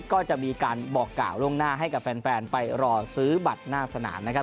ก็จะมีการบอกกล่าวล่วงหน้าให้กับแฟนไปรอซื้อบัตรหน้าสนามนะครับ